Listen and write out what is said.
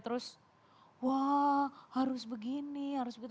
terus wah harus begini harus begitu